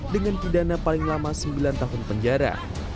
dengan pidana paling lama sembilan tahun penjara